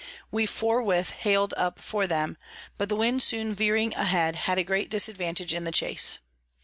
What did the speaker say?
We forthwith hal'd up for them; but the Wind soon veering a head, had a great disadvantage in the Chase.